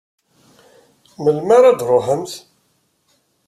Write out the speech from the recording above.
Melmi ara d-truḥemt?